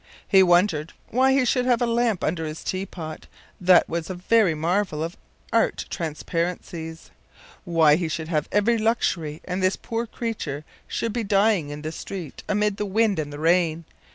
He wondered why he should have a lamp under his teapot that was a very marvel of art transparencies; why he should have every luxury, and this poor creature should be dying in the street amid the wind and the rain.